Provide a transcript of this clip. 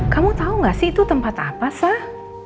kamu tahu gak sih itu tempat apa sah